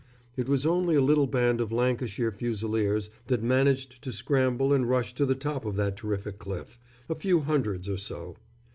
It was only a little band of Lancashire Fusiliers that managed to scramble and rush to the top of that terrific cliff a few hundreds or so.